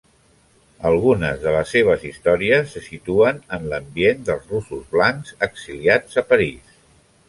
Alguna de les seves històries se situen en l'ambient dels russos blancs exiliats a París.